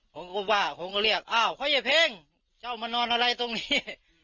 ผมก็ว่าผมก็เรียกอ้าวเขาอย่าเพ่งเจ้ามานอนอะไรตรงนี้